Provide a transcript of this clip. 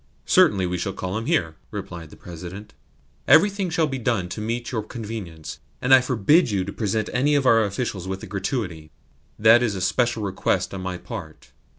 "Certainly we shall call him here," replied the President. "Everything shall be done to meet your convenience, and I forbid you to present any of our officials with a gratuity. That is a special request on my part.